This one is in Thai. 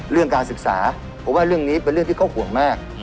เรื่องการศึกษาเพราะว่าเรื่องนี้เป็นเรื่องที่เขาห่วงมาก